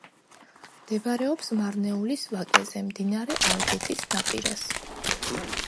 მდებარეობს მარნეულის ვაკეზე, მდინარე ალგეთის ნაპირას.